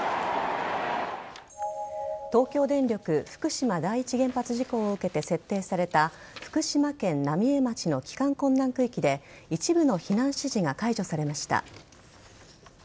東京電力福島第１原発事故を受けて設定された福島県浪江町の帰還困難区域で一部の避難指示が解除されました。